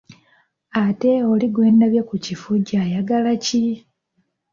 Ate oli gwe ndabye ku kifugi ayagala ki?